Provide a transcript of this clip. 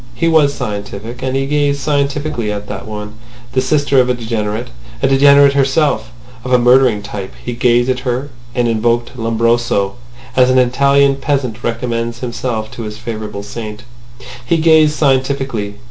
He was scientific, and he gazed scientifically at that woman, the sister of a degenerate, a degenerate herself—of a murdering type. He gazed at her, and invoked Lombroso, as an Italian peasant recommends himself to his favourite saint. He gazed scientifically.